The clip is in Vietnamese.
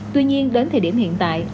tuy nhiên đến thời điểm hiện tại